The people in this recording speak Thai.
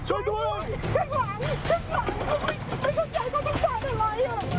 ไม่เข้าใจว่าเขาต้องการอะไร